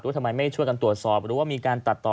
ทำไมไม่ช่วยกันตรวจสอบหรือว่ามีการตัดต่อ